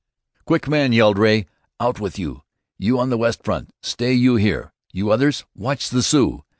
"Quick, men!" yelled Ray. "Out with you, you on the west front! Stay you here, you others! Watch the Sioux!